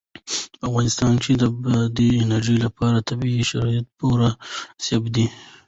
په افغانستان کې د بادي انرژي لپاره طبیعي شرایط پوره مناسب دي.